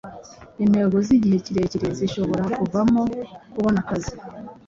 Intego zigihe kirekire zihobora kuvamo kubona akazi